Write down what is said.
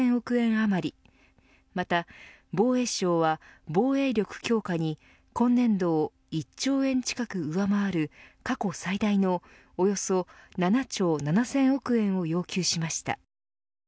余りまた防衛省は防衛力強化に今年度を１兆円近く上回る過去最大のおよそ７兆７０００億円を要求しました。